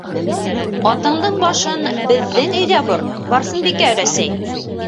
Атыңдың башын беҙҙең өйгә бор, Барсынбикә өләсәй!